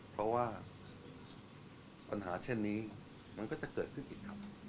เพราะว่าปัญหาเช่นนี้มันก็จะเกิดขึ้นอีกครับ